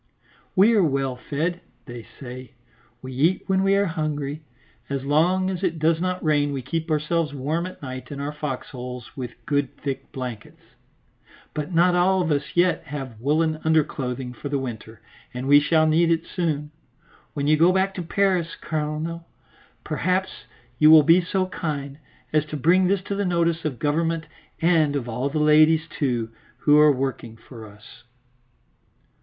"We are well fed," they say, "we eat when we are hungry. As long as it does not rain we keep ourselves warm at night in our fox holes with good thick blankets. But not all of us yet have woollen underclothing for the winter, and we shall need it soon. When you go back to Paris, Colonel, perhaps you will be so kind as to bring this to the notice of Government and of all the ladies too, who are working for us."